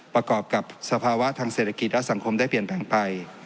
ประกอบกับสภาวะทางเศรษฐกิจและสังคมได้เปลี่ยนแผงไป